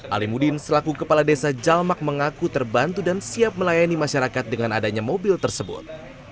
alimudin selaku kepala desa jamak mengaku terbantu dan siap melayani masyarakat dengan adanya mobil tersebut